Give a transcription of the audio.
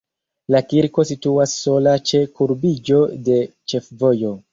La kirko situas sola ĉe kurbiĝo de ĉefvojo.